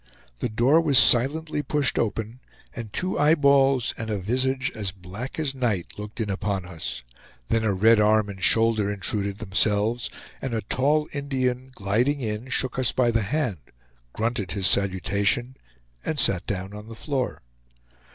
The door was silently pushed open, and two eyeballs and a visage as black as night looked in upon us; then a red arm and shoulder intruded themselves, and a tall Indian, gliding in, shook us by the hand, grunted his salutation, and sat down on the floor.